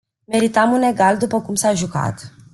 Meritam un egal după cum s-a jucat.